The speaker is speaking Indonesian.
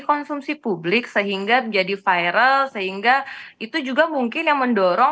konsumsi publik sehingga menjadi viral sehingga itu juga mungkin yang mendorong